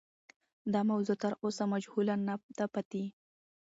دا موضوع تر اوسه مجهوله نه ده پاتې.